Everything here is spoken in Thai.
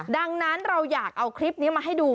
ดังนั้นเราอยากเอาคลิปนี้มาให้ดู